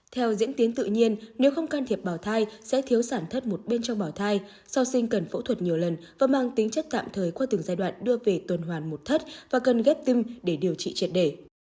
theo diễn tiến tự nhiên nếu không can thiệp bào thai sẽ thiếu sản thất một bên trong bỏ thai sau sinh cần phẫu thuật nhiều lần và mang tính chất tạm thời qua từng giai đoạn đưa về tuần hoàn một thất và cần ghép tim để điều trị triệt đề